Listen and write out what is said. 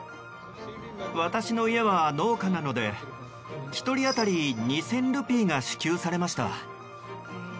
私の家は農家なので１人あたり２０００ルピーが支給されました。